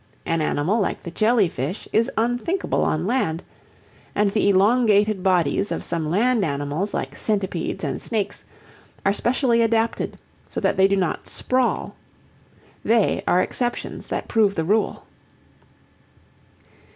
An animal like the jellyfish is unthinkable on land, and the elongated bodies of some land animals like centipedes and snakes are specially adapted so that they do not "sprawl." They are exceptions that prove the rule.